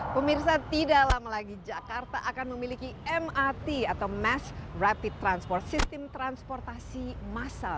pemirsa tidak lama lagi jakarta akan memiliki mrt atau mass rapid transport sistem transportasi massal